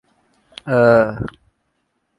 دوبارہ ضرور تشریف لائیئے گا